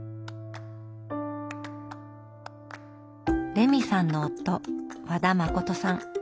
レミさんの夫和田誠さん。